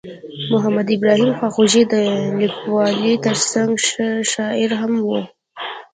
محمد ابراهیم خواخوږی د لیکوالۍ ترڅنګ ښه شاعر هم ؤ.